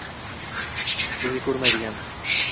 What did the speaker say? Bizga ko’rinmaydigan